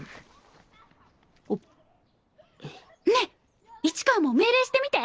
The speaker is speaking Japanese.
ねえ市川も命令してみて。